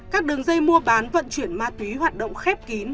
các đường dây mua bán vận chuyển ma túy hoạt động khép kín